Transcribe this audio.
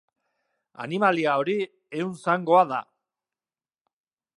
Animalia hori ehunzangoa da.